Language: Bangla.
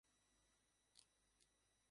চলো, কায়োটি।